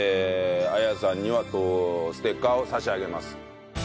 あやさんにはステッカーを差し上げます。